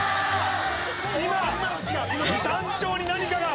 今山頂に何かが。